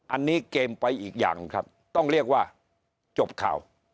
อันนี้เกมไปอีกอย่างครับต้องเรียกว่าจบข่าว